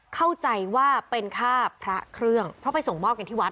เข้าใจว่าเป็นค่าพระเครื่องเพราะไปส่งมอบกันที่วัด